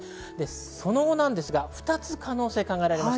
その後２つ可能性が考えられます。